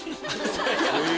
え